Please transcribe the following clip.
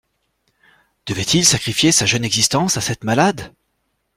Devait-il sacrifier sa jeune existence à cette malade.